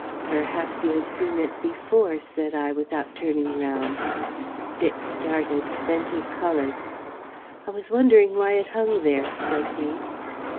"Perhaps you have seen it before," said I without turning round. Dick started, then he coloured. "I was wondering why it hung there," said he.